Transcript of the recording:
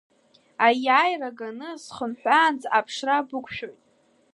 Аиааира ганы схынҳәаанӡа аԥшра бықәшәоит.